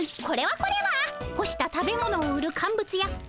これはこれは干した食べ物を売る乾物屋